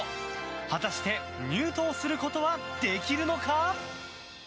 果たして入党することはできるのか。